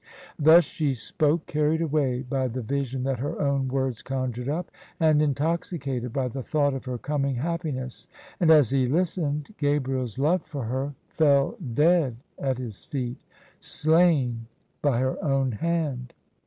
Thus she spoke, carried away by the vision that her own words conjured up, and intoxicated by the thought of her coming happiness: and as he listened, Gabriers love for her THE SUBJECTION fell dead at his feet, slain by her own hand.